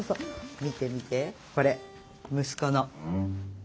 見て見てこれ息子のＳＮＳ。